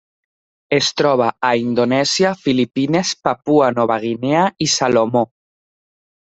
Es troba a Indonèsia, Filipines, Papua Nova Guinea i Salomó.